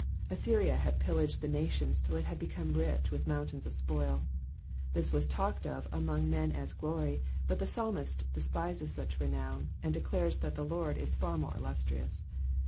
Assyria had pillaged the nations till it had become rich with mountains of spoil, this was talked of among men as glory, but the psalmist despises such renown, and declares that the Lord was far more illustrious.